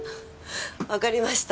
わかりました。